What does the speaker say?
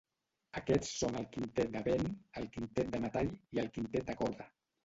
Aquests són el quintet de vent, el quintet de metall i el quintet de corda.